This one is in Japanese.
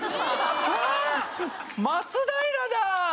「わ松平だ！」